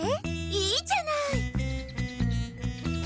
いいじゃない！